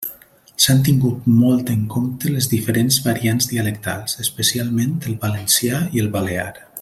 S'han tingut molt en compte les diferents variants dialectals, especialment el valencià i el balear.